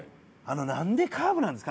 なんでカーブなんですか？